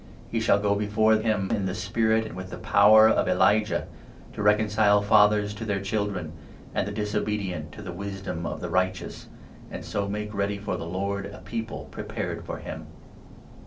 He shall go before him in the 17 spirit and with the power of Elijah, 'to reconcile fathers to their children ' and the disobedient to the wisdom of the righteous, and so make ready for the Lord a people prepared for him.